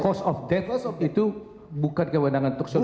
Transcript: cause of death itu bukan kewenangan toksikologi